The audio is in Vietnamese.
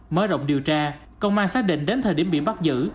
mới rộng điều tra công an xác định đến thời điểm bị bắt giữ